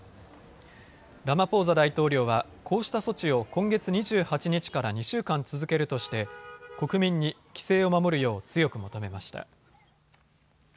ラマポーザ大統領はこうした措置を今月２８日から２週間続けるとして、国民に規制を守るよう強く求めました。